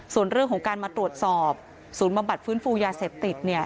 ส่วนเรื่องของการมาตรวจสอบศูนย์บำบัดฟื้นฟูยาเสพติด